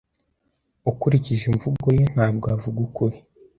Ukurikije imvugo ye, ntabwo avuga ukuri.